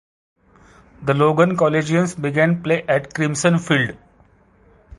The Logan Collegians began play at Crimson Field.